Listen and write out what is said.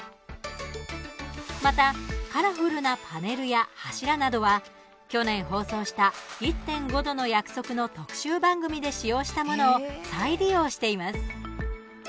また、カラフルなパネルや柱などは去年、放送した「１．５℃の約束」の特集番組で使用したものを再利用しています。